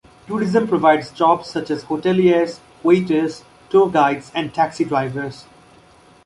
Tourism provides jobs such as hoteliers, waiters, tour guides and taxi drivers.